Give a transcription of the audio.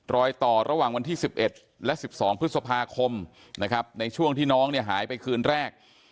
รอยต่อระหว่างวันที่๑๑และ๑๒พฤษภาคมนะครับในช่วงที่น้องเนี่ยหายไปคืนแรก